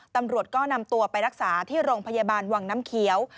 ตำรวจก็นำตัวไปรักษาที่โรงพยาบาลวังน้ำเขียว